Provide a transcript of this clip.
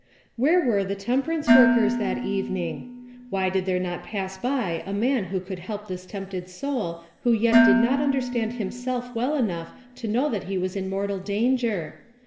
Where were the temperance workers that evening? Why did there not pass liy a man who could help this tempted soul who yet did not understand himself well enough to know that he was in mortal danger?